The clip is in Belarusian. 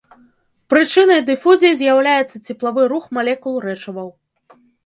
Прычынай дыфузіі з'яўляецца цеплавы рух малекул рэчываў.